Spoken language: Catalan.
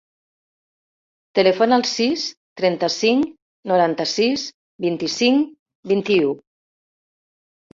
Telefona al sis, trenta-cinc, noranta-sis, vint-i-cinc, vint-i-u.